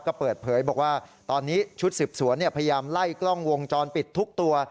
ก็เปิดเผยบอกว่าตอนนี้กล้องวงจอนปิดทุกตัว